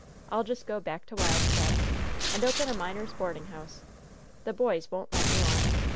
I'll just go back to Wild Cats', and open a miners' boarding house! The boys won't let me want!